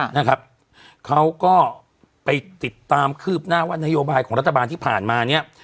นะครับเขาก็ไปติดตามคืบหน้าว่านโยบายของรัฐบาลที่ผ่านมาเนี้ย